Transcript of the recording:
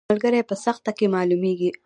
ملګری په سخته کې معلومیږي